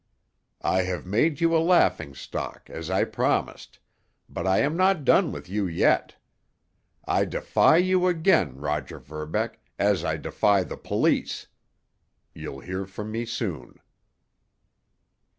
I have made you a laughingstock, as I promised, but I am not done with you yet. I defy you again, Roger Verbeck, as I defy the police. You'll hear from me soon.